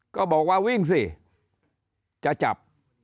ก็บอกว่าวิ่งสิจะจับ